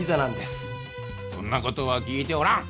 そんな事は聞いておらん！